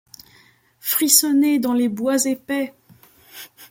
Frissonner dans les bois épais !